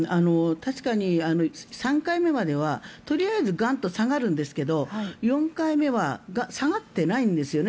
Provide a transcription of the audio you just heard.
確かに３回目まではとりあえずガンと下がるんですけど４回目は下がってないんですよね。